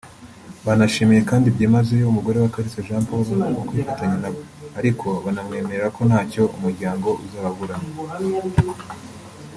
Banashimiye kandi byimazeyo umugore wa Kalisa Jean Paul kubwo kwifatanya nabo ariko banamwemerera ko ntacyo umuryango uzababurana